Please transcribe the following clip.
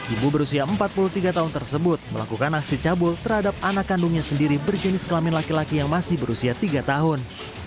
ibu berusia empat puluh tiga tahun tersebut melakukan aksi cabul terhadap anak kandungnya sendiri berjenis kelamin laki laki yang masih berusia tiga tahun